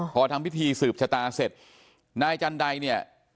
พอทำพิธีสืบชะตาเสร็จนายจันไดเนี่ย